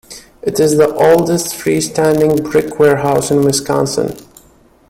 It is the oldest free-standing brick warehouse in Wisconsin.